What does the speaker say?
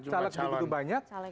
caleg yang begitu banyak